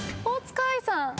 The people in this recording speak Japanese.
大塚愛さん。